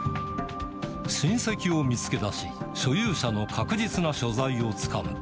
親戚を見つけ出し、所有者の確実な所在をつかむ。